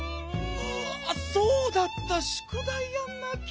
あっそうだったしゅくだいやんなきゃ。